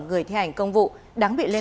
người thi hành công vụ đáng bị lên án